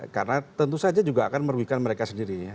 karena tentu saja juga akan merugikan mereka sendiri ya